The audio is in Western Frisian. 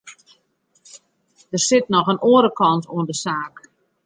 Der sit noch in oare kant oan de saak.